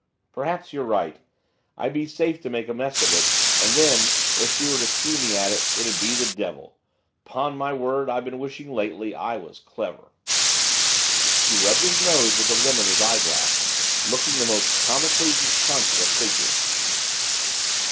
Perhaps you're right. I'd be safe to make a mess of it, and then, if she were to see me at it, it'd be the devil! 'Pon my word, I've been wishing, lately, I was clever.' He rubbed his nose with the rim of his eyeglass, looking the most comically disconsolate figure.